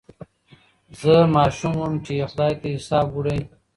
زه ماشوم وم چي یې خدای ته حساب وړی